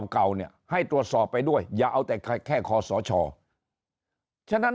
เก่าเนี่ยให้ตรวจสอบไปด้วยอย่าเอาแต่แค่คอสชฉะนั้น